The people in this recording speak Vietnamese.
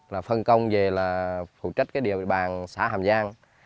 là phân công về là phụ trách cái địa bàn xã hàm giang